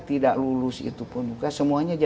tidak lulus itu pun bukan semuanya